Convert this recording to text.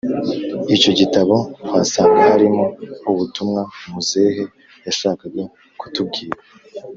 icyo gitabo wasanga harimo ubutumwa muzehe yashakaga kutubwira!